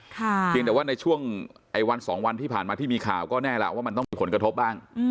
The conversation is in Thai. เพียงแต่ว่าในช่วงวันสองวันที่ผ่านมาที่มีข่าวก็แน่ล่ะว่ามันต้องมีผลกระทบบ้าง